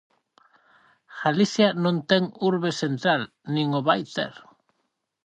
Galicia non ten urbe central nin o vai ter.